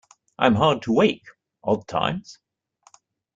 I am hard to wake, odd times.